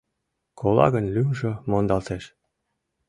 Кола гын, лӱмжӧ мондалтеш.